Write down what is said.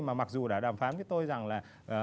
mà mặc dù đã đàm phán với tôi rằng là